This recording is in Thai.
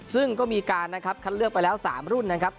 ซึ่งก็มีการนะครับคัดเลือกไปแล้ว๓รุ่นนะครับ